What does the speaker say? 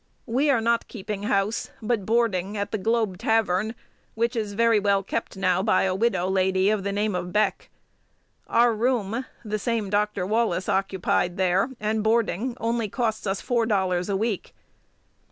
We are not keeping house, but boarding at the Globe Tavern, which is very well kept now by a widow lady of the name of Beck. Our room (the same Dr. Wallace occupied there) and boarding only costs us four dollars a week.